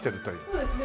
そうですね。